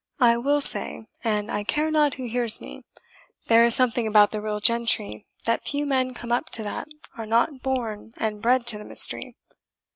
I will say, and I care not who hears me, there is something about the real gentry that few men come up to that are not born and bred to the mystery.